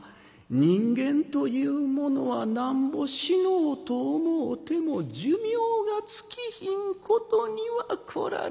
人間というものはなんぼ死のうと思うても寿命が尽きひんことにはこらぁ